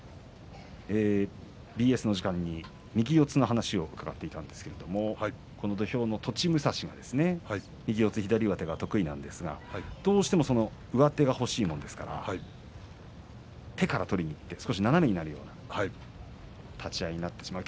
ＢＳの時間に右四つの話を伺っていたんですけれどもこの土俵の栃武蔵が右四つ左上手が得意なんですがどうしても上手が欲しいものですから手から取りにいって少し斜めになるような立ち合いになってしまう。